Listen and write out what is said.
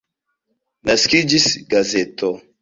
Naskiĝis gazeto.